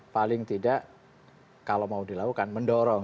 paling tidak kalau mau dilakukan mendorong